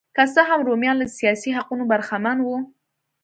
که څه هم رومیان له سیاسي حقونو برخمن وو